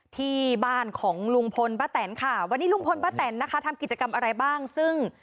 ที่บ้านของลุงพลป้าแตนค่ะวันนี้ลุงพลป้าแตนนะคะทำกิจกรรมอะไรบ้างซึ่ง